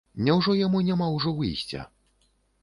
Няўжо яму няма ўжо выйсця?